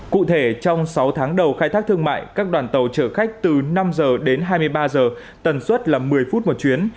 cụ thể trong sáu tháng đầu khai thác thương mại các đoàn tàu chở khách từ năm giờ đến hai mươi ba h tần suất là một mươi phút một chuyến